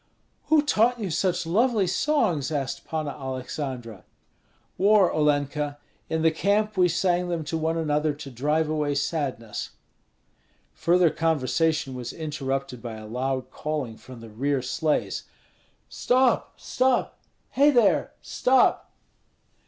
"Who taught you such lovely songs?" asked Panna Aleksandra. "War, Olenka. In the camp we sang them to one another to drive away sadness." Further conversation was interrupted by a loud calling from the rear sleighs: "Stop! stop! Hei there stop!"